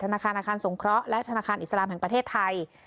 ธนาคารอาคารสงเคราะห์และธนาคารอิสลามแห่งประเทศไทย